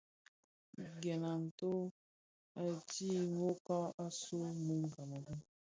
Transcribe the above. Gèn a nto u dhid nwokag, asuu mun Kameroun.